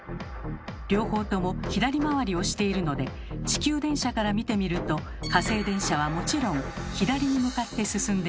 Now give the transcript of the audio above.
両方とも左回りをしているので地球電車から見てみると火星電車はもちろん左に向かって進んでいます。